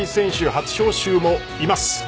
初招集もいます。